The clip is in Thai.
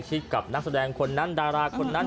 กับนักแสดงคนนั้นดาราคนนั้น